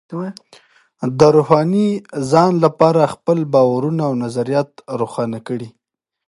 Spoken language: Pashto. د روحاني ځان لپاره خپل باورونه او نظریات روښانه کړئ.